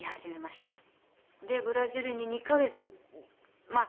でブラジルに２カ月まあ